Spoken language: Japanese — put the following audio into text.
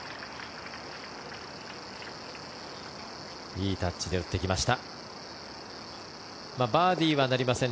いいタッチで打ってきました。